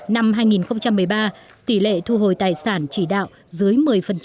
năm hai nghìn một mươi ba tỷ lệ thu hồi tài sản chỉ đạo dưới một mươi